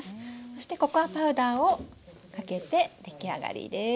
そしてココアパウダーをかけて出来上がりです。